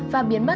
và biến màu xám